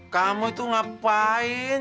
kamu itu ngapain